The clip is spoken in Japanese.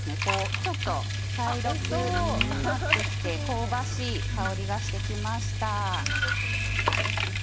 ちょっと茶色くなって香ばしい香りがしてきました。